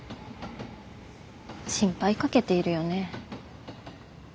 心配かけているよね。